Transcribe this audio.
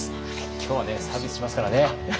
今日はねサービスしますからね。